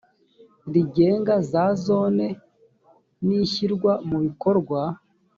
rigenga za zone n ishyirwa mu bikorwa